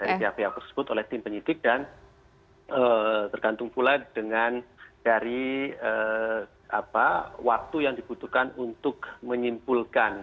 dari pihak pihak tersebut oleh tim penyidik dan tergantung pula dengan dari waktu yang dibutuhkan untuk menyimpulkan